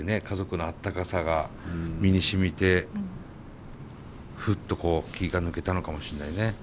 家族のあったかさが身にしみてふっとこう気が抜けたのかもしんないね。